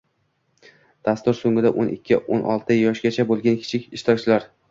Dastur so‘ngida o’n ikki – o’n olti yoshgacha bo‘lgan kichik ishtirokchilar